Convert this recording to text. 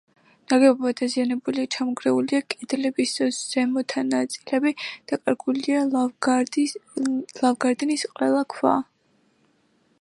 ნაგებობა დაზიანებულია: ჩამონგრეულია კედლების ზემოთა ნაწილები, დაკარგულია ლავგარდნის ყველა ქვა.